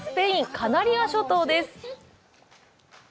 カナリア諸島です。